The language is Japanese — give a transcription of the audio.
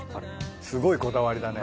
すごいこだわりだね。